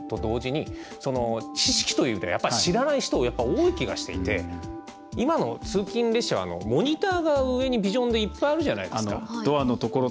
それがあると同時に知識という意味で走らない人多い気がしていて今の通勤列車はモニターが上にビジョンでいっぱいあるじゃないですか。